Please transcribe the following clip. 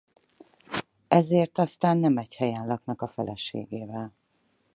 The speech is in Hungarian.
Ezért aztán nem egy helyen laknak a feleségével.